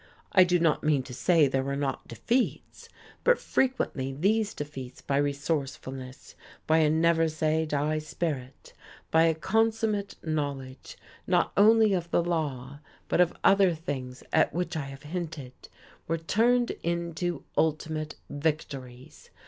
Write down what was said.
I do not mean to say there were not defeats; but frequently these defeats, by resourcefulness, by a never say die spirit, by a consummate knowledge, not only of the law, but of other things at which I have hinted, were turned into ultimate victories.